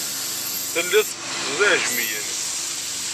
Tellid tetteddzed iɛejmiyen.